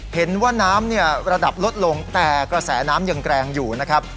เห็นว่าน้ำเนี่ยระดับลดลงแต่กระแสน้ำยังแรงอยู่นะครับ